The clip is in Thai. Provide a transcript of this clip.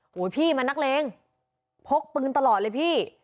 พี่มันนักเลงพกปืนตลอดเลยพี่